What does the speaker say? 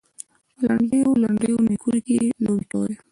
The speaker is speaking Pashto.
په لنډو لنډو نیکرونو کې یې لوبې کولې.